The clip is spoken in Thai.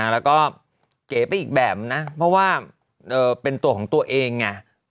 แล้วก็เก๋ไปอีกแบบนะเพราะว่าเป็นตัวของตัวเองไง